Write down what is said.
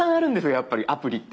やっぱりアプリって。